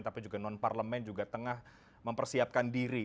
tapi juga non parlemen juga tengah mempersiapkan diri